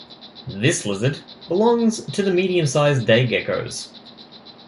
This lizard belongs to the medium-sized day geckos.